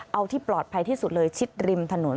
เอาที่ปลอดภัยที่สุดเลยชิดริมถนน